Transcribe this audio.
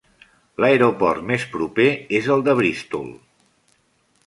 L'aeroport més proper és el de Bristol.